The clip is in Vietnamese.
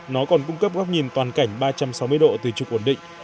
nó còn cung cấp góc nhìn toàn cảnh ba trăm sáu mươi độ từ trục ổn định